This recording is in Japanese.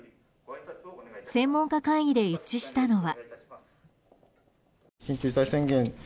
専門家会議で一致したのは。